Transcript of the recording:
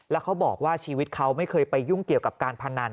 แล้วเขาบอกว่าชีวิตเขาไม่เคยไปยุ่งเกี่ยวกับการพนัน